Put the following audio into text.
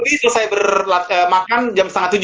ini selesai makan jam setengah tujuh